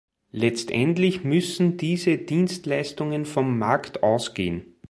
Letztendlich müssen diese Dienstleistungen vom Markt ausgehen.